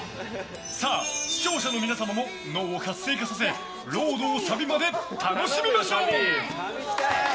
さあ、視聴者の皆様も脳を活性化させ「ロード」をサビまで楽しみましょう。